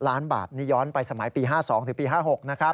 ล้านบาทนี่ย้อนไปสมัยปี๕๒ถึงปี๕๖นะครับ